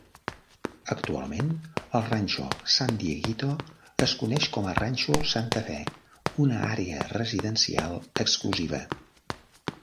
Actualment, el Ranxo San Dieguito es coneix com a Ranxo Santa Fe, una àrea residencial exclusiva.